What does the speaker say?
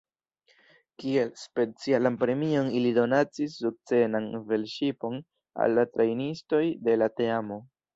Kiel specialan premion ili donacis sukcenan velŝipon al la trejnistoj de la teamo.